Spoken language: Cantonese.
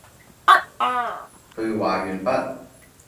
對話完畢